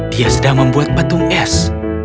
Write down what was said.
dia sedang membuat patung es